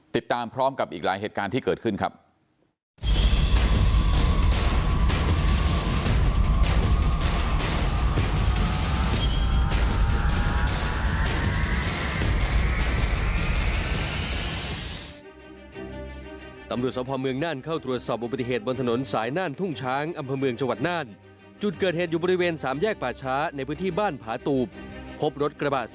ติดตามพร้อมกับอีกหลายเหตุการณ์ที่เกิดขึ้นครับ